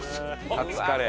カツカレー。